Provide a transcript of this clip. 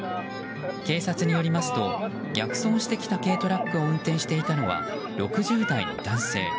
警察によりますと逆走してきた軽トラックを運転していたのは６０代の男性。